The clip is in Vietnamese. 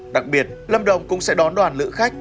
đặc biệt lâm đồng cũng sẽ đón đoàn lữ khách